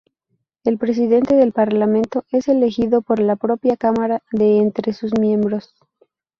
El presidente del Parlamento es elegido por la propia cámara de entre sus miembros.